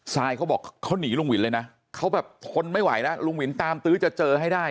ซายเขาบอกเขาหนีลุงวินเลยนะเขาแบบทนไม่ไหวแล้วลุงวินตามตื้อจะเจอให้ได้